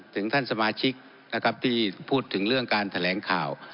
ถึงท่านสมาชิกนะครับที่พูดถึงเรื่องการแถลงข่าว